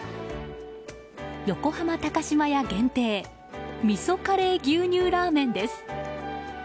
横浜高島屋限定味噌カレー牛乳ラーメンです。